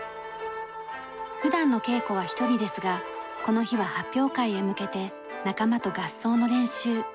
普段の稽古は１人ですがこの日は発表会へ向けて仲間と合奏の練習。